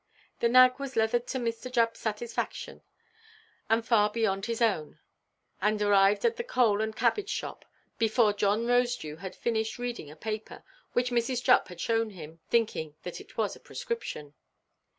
The nag was leathered to Mr. Juppʼs satisfaction, and far beyond his own, and they arrived at the coal and cabbage shop before John Rosedew had finished reading a paper which Mrs. Jupp had shown him, thinking that it was a prescription.